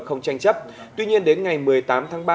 không tranh chấp tuy nhiên đến ngày một mươi tám tháng ba